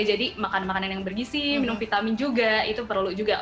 jadi makan makanan yang bergisi minum vitamin juga itu perlu juga